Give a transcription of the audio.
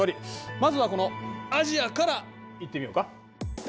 まずはこのアジアからいってみようか。